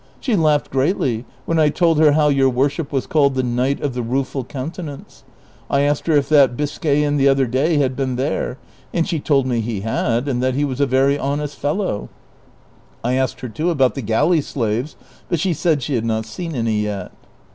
She laughed greatly when T told her how your worship was called the Knight of the Rueful Coun tenance ; I asked her if that Biscayan the other day had been there ; and she told nre he had, and that he was a very honest fellow ; I asked her too about the galley slaves, but she said she had not seen any yet."